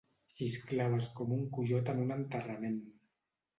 Xisclaves com un coiot en un enterrament.